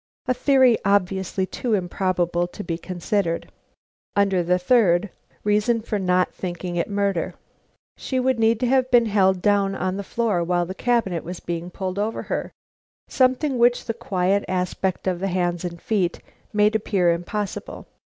(A theory obviously too improbable to be considered.) Under the third: Reason for not thinking it murder. She would need to have been held down on the floor while the cabinet was being pulled over on her; something which the quiet aspect of the hands and feet made appear impossible.